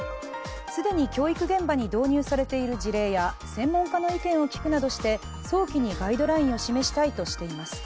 既に教育現場に導入されている事例や専門家の意見を聞くなどして早期にガイドラインを示したいとしています。